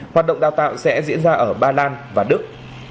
hoạt động đào tạo sẽ diễn ra ở ba lan và đức